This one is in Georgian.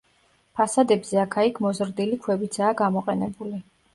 ფასადებზე აქა-იქ მოზრდილი ქვებიცაა გამოყენებული.